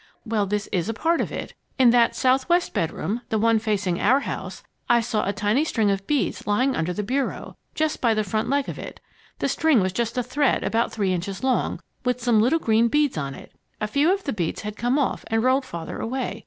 "Well, this is part of it. In that southwest bedroom (the one facing our house), I saw a tiny string of beads lying under the bureau, just by the front leg of it. The string was just a thread about three inches long, with some little green beads on it. A few of the beads had come off it and rolled farther away.